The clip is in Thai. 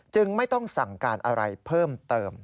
ไม่ต้องสั่งการอะไรเพิ่มเติม